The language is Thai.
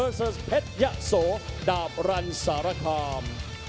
กับเพ็ดยะโสดาบรันสาระคอม